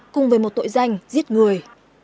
cùng với một tội danh giết người